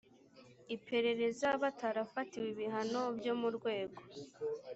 iperereza batarafatiwe ibihano byo mu rwego